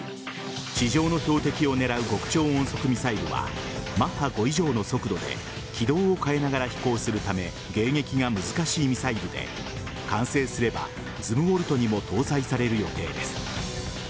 地上の標的を狙う極超音速ミサイルはマッハ５以上の速度で軌道を変えながら飛行するため迎撃が難しいミサイルで完成すればズムウォルトにも搭載される予定です。